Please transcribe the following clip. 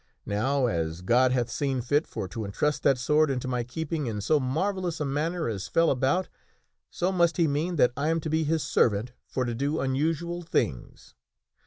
Now, as God hath seen fit for to intrust that sword into my keeping in so marvellous a manner as fell about, so must He mean that I am to be His servant for to do unusual things.